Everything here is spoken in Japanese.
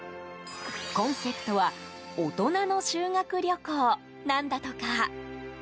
コンセプトは大人の修学旅行なんだとか。